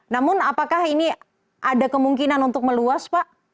namun apakah ini ada kemungkinan untuk meluas pak